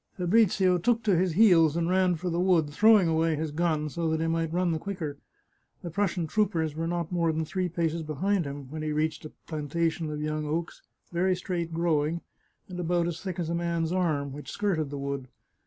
Fabrizio took to his heels, and ran for the wood, throwing away his gun so that he 55 The Chartreuse of Parma might run the quicker. The Prussian troopers were not more than three paces behind him when he reached a plan tation of young oaks, very straight growing, and about as thick as a man's arm, which skirted the wood.